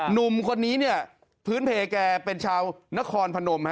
หนุ่มคนนี้เนี่ยพื้นเพแกเป็นชาวนครพนม